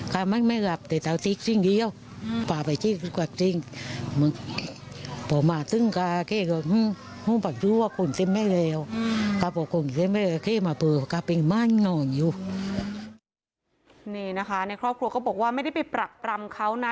กะมันไม่หลับแต่ตาวสิ้นค์ซึ่งเดียวป่าไปที่จริงป่ะจริง